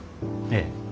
ええ。